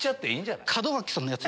門脇さんのやつ。